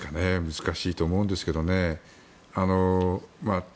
難しいと思うんですけどね。